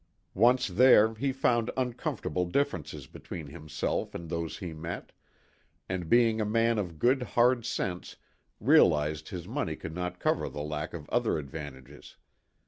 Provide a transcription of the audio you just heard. Once there, he found uncomfortable differ ences between himself and those he met, and being a man of good hard sense realized his money could not cover the lack of other advan tages.